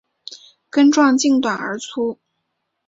根状茎短而粗。